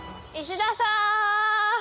・石田さん！